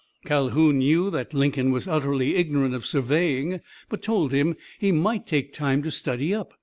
Calhoun knew that Lincoln was utterly ignorant of surveying, but told him he might take time to study up.